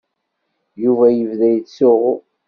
Yuba yebda yettsuɣu.